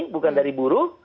bukan dari buru